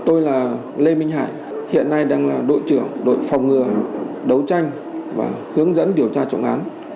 tôi là lê minh hải hiện nay đang là đội trưởng đội phòng ngừa đấu tranh và hướng dẫn điều tra trọng án